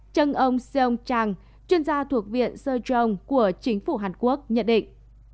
trân ông seong chang chuyên gia thuộc viện seo jong của chính phủ hàn quốc nhận định